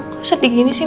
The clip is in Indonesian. kok sedih gini sih